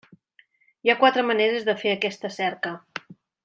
Hi ha quatre maneres de fer aquesta cerca.